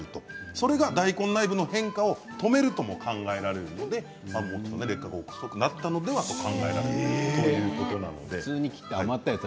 それが大根内部の変化を止めるとも考えられるので劣化が遅くなったのではないかと考えられているということです。